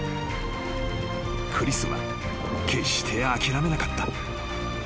［クリスは決して諦めなかった］